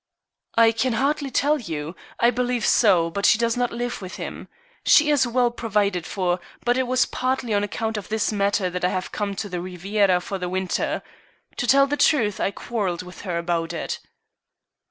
"I can hardly tell you. I believe so. But she does not live with him. She is well provided for, but it was partly on account of this matter that I came to the Riviera for the winter. To tell the truth, I quarrelled with her about it."